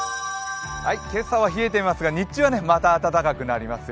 今朝は冷えていますが日中はまた暖かくなりますよ。